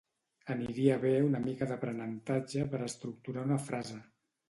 Aniria bé una mica d'aprenentatge per estructurar una frase